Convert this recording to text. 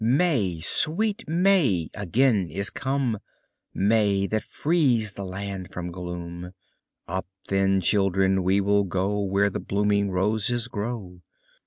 May, sweet May, again is come; May, that frees the land from gloom. Up, then, children, we will go Where the blooming roses grow.